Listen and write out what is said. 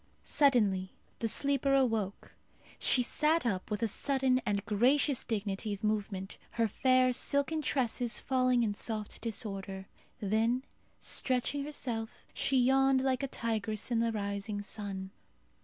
Suddenly the sleeper awoke. She sat up with a sudden and gracious dignity of movement, her fair silken tresses falling in soft disorder. Then stretching herself, she yawned like a tigress in the rising sun.